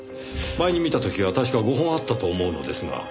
前に見た時は確か５本あったと思うのですが。